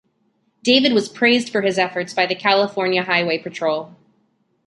David was praised for his efforts by the California Highway Patrol.